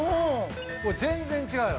全然違うよ